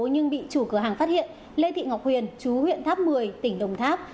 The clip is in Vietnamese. nhưng bị chủ cửa hàng phát hiện lê thị ngọc huyền chú huyện tháp một mươi tỉnh đồng tháp